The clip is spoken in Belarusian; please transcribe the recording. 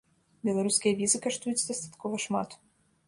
Беларускія візы каштуюць дастаткова шмат.